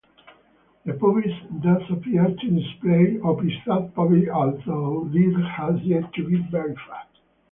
The pubis does appear to display opisthopuby, although this has yet to be verified.